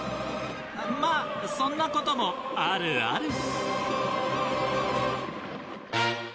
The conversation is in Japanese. まぁそんなこともあるある。